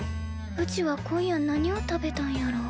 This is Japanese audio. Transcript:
うちは今夜何を食べたんやろう？